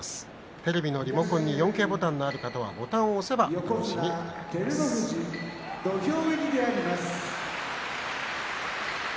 テレビのリモコンに４Ｋボタンがある方はボタンを押せば照ノ富士土俵入りでございます。